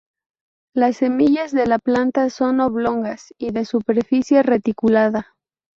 Las semillas de la planta son oblongas y de superficie reticulada.